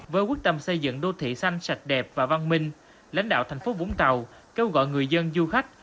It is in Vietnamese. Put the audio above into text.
với quyết tâm xây dựng đô thị xanh sạch đẹp và văn minh lãnh đạo thành phố vũng tàu kêu gọi người dân du khách